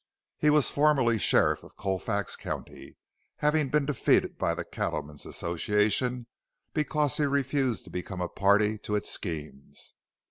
He was formerly sheriff of Colfax County, having been defeated by the Cattlemen's Association because he refused to become a party to its schemes.